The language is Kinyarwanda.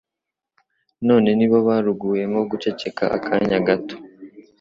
none ni bo baruguyemo guceceka akanya gato